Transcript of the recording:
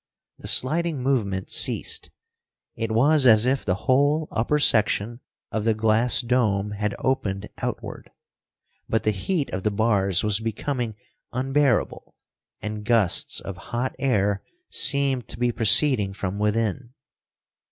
The sliding movement ceased. It was as if the whole upper section of the glass dome had opened outward. But the heat of the bars was becoming unbearable, and gusts of hot air seemed to be proceeding from within.